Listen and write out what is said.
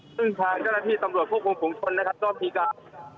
ซึ่งทางเจ้าหน้าที่ตำรวจควบคุมฝุงชนนะครับก็มีการ